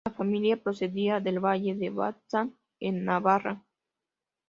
La familia procedía del valle de Baztán en Navarra.